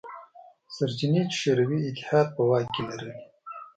سرچینې چې شوروي اتحاد په واک کې لرلې.